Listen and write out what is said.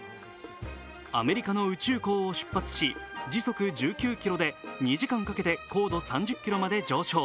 アメリカの宇宙港を出発し時速１９キロで２時間かけて高度３０ｋｍまで上昇。